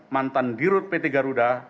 mantan dirut pt garuda